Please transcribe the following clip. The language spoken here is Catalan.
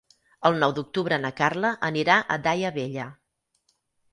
El nou d'octubre na Carla anirà a Daia Vella.